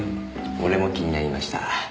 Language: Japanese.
俺も気になりました。